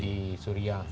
di syria di sana